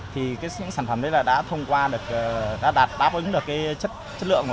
thì những sản phẩm đấy đã thông qua đã đáp ứng được chất lượng